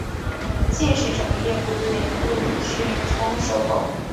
现时整个业务已被路讯通收购。